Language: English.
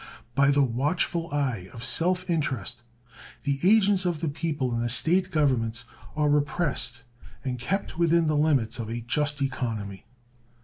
By the watchful eye of self interest the agents of the people in the State governments are repressed and kept within the limits of a just economy.